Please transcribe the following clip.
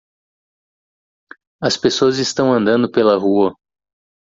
as pessoas estão andando pela rua.